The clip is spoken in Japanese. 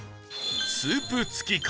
スープ付きか？